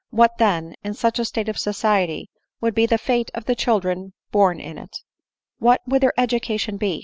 What then, in such a state of society, would be the fate of the children born in it? What would their education be